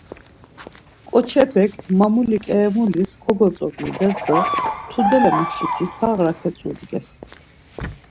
Ǩoçepek mamuli ǩeremulis kogotzoǩides do tudele muşiti sağra ketzudges.